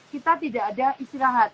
kita tidak ada istirahat